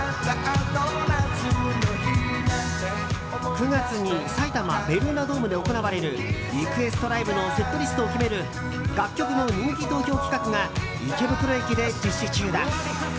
９月に埼玉・ベルーナドームで行われるリクエストライブのセットリストを決める楽曲の人気投票企画が池袋駅で実施中だ。